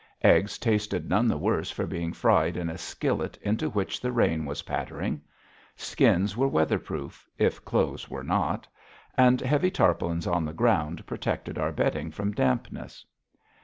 Eggs tasted none the worse for being fried in a skillet into which the rain was pattering. Skins were weather proof, if clothes were not. And heavy tarpaulins on the ground protected our bedding from dampness.